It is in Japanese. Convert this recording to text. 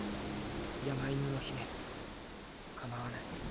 山犬の姫構わない。